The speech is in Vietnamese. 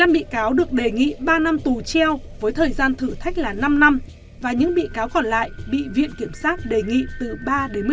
một mươi bị cáo được đề nghị ba năm tù treo với thời gian thử thách là năm năm và những bị cáo còn lại bị viện kiểm sát đề nghị từ ba đến một mươi năm